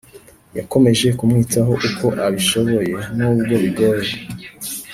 Yakomeje kumwitaho uko abishoboye n ubwo bigoye